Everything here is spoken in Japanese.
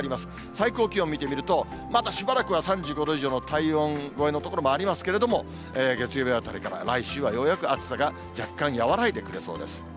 最高気温見てみると、まだしばらくは３５度以上の体温超えの所もありますけれども、月曜日あたりから来週はようやく暑さが若干和らいでくれそうです。